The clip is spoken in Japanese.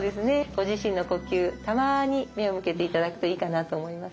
ご自身の呼吸たまに目を向けていただくといいかなと思います。